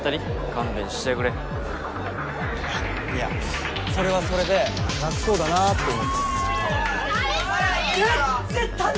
勘弁してくれいやそれはそれで楽そうだなって思って・足りん足りん！